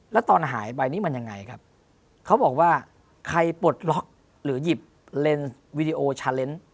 แล้วตอนหายไปนี่มันยังไงครับเขาบอกว่าใครปลดล็อกหรือหยิบเลนส์วีดีโอชาเลนส์